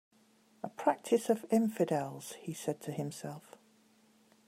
"A practice of infidels," he said to himself.